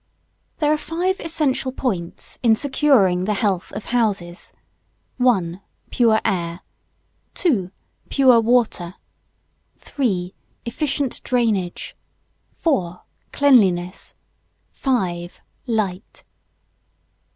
] There are five essential points in securing the health of houses: 1. Pure air. 2. Pure water. 3. Efficient drainage. 4. Cleanliness. 5. Light.